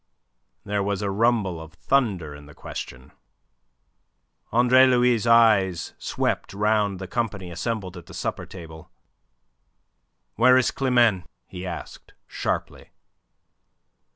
There was a rumble of thunder in the question. Andre Louis' eyes swept round the company assembled at the supper table. "Where is Climene?" he asked, sharply.